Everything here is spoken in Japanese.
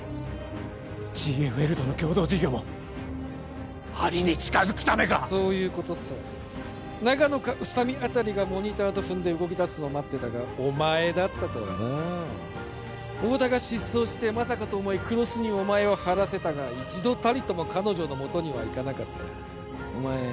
ＧＦＬとの共同事業もアリに近づくためかそういうことさ長野か宇佐美あたりがモニターと踏んで動きだすのを待ってたがお前だったとはなあ太田が失踪してまさかと思い黒須にお前を張らせたが一度たりとも彼女のもとには行かなかったお前